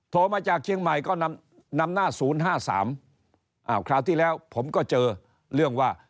มาจากเชียงใหม่ก็นำหน้า๐๕๓คราวที่แล้วผมก็เจอเรื่องว่า